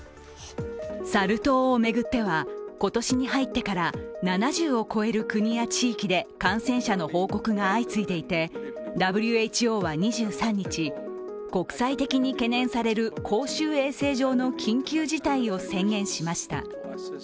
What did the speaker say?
サル痘を巡っては今年に入ってから７０を超える国や地域で感染者の報告が相次いでいてＷＨＯは２３日、国際的に懸念される公衆衛生上の緊急事態を宣言しました。